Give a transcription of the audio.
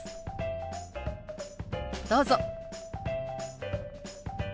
どうぞ。